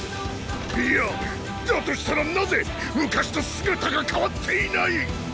いやだとしたらなぜ昔と姿が変わっていない⁉